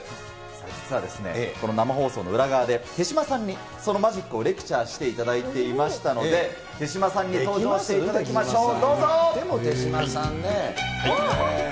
実はこの生放送の裏側で、手嶋さんにそのマジックをレクチャーしていただいていましたので、手嶋さんに登場していただきましょう。